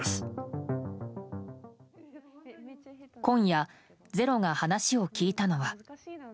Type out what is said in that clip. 今夜「ｚｅｒｏ」が話を聞いたのは。